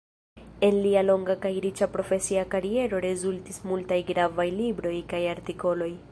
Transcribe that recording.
En lia longa kaj riĉa profesia kariero rezultis multaj gravaj libroj kaj artikoloj.